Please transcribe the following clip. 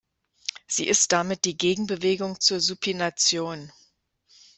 Sie ist damit die Gegenbewegung zur Supination.